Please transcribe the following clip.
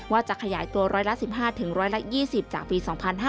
ว่าจะขยายตัวร้อยละ๑๕ถึงร้อยละ๒๐จากปี๒๕๕๘